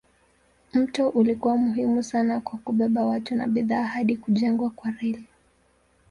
Mto ulikuwa muhimu sana kwa kubeba watu na bidhaa hadi kujengwa kwa reli.